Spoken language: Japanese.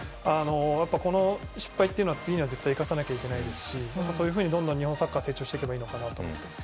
この失敗というのは次に絶対生かさなきゃいけないですしそういうふうにどんどん日本サッカーは成長していけばいいのかなと思っています。